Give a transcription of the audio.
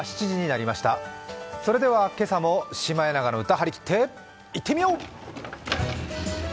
それでは今朝も「シマエナガの歌」はりきっていってみよう！